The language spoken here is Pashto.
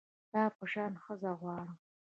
ستا په شان ښځه غواړم